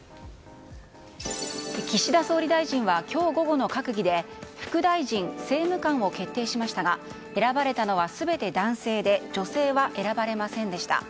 岸田総理大臣は今日午後の閣議で副大臣、政務官を決定しましたが選ばれたのは全て男性で女性は選ばれませんでした。